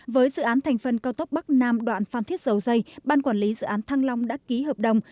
với dự án thành phần cao tốc bắc nam đoạn phan thiết dầu dây ban quản lý dự án thăng long đã ký hợp đồng